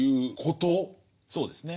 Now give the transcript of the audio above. そうですね。